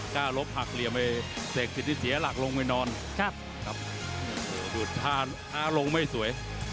กล้าลบหักเหลี่ยมไปเสกที่เสียหลักลงไปนอนครับครับดูดท่าท่าลงไม่สวย